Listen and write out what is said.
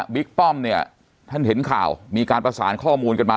ป้อมเนี่ยท่านเห็นข่าวมีการประสานข้อมูลกันมา